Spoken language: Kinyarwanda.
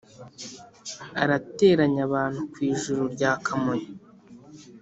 Arateranya abantu kw'Ijuru rya Kamonyi